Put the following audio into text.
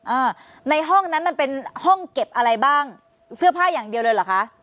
อ่าในห้องนั้นมันเป็นห้องเก็บอะไรบ้างเสื้อผ้าอย่างเดียวเลยเหรอคะ